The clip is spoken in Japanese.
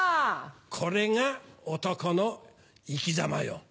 これが男の生きざまよ。